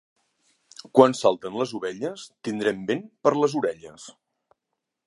Quan salten les ovelles, tindrem vent per les orelles.